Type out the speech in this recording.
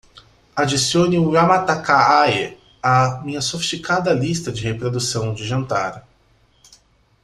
adicione o Yamataka Eye à minha sofisticada lista de reprodução de jantar